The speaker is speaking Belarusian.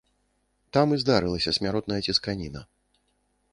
Там і здарылася смяротная цісканіна.